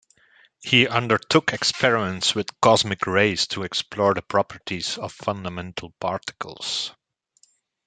He undertook experiments with cosmic rays to explore the properties of fundamental particles.